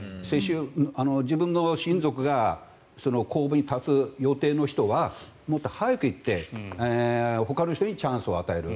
自分の親族が公募に立つ予定の人はもっと早く言ってほかのひとにチャンスを与える。